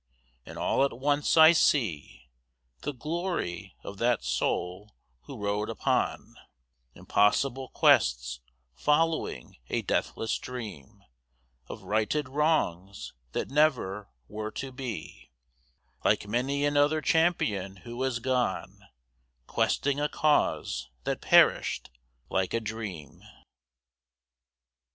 And all at once I see The glory of that soul who rode upon Impossible quests, following a deathless dream Of righted wrongs, that never were to be, Like many another champion who has gone Questing a cause that perished like a dream.